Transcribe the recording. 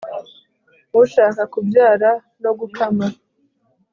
Ushaka kubyara no gukama